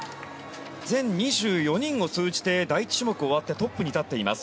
全２４人を通じて第１種目終わってトップに立っています。